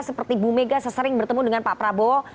seperti bumega sesering bertemu dengan pak prabowo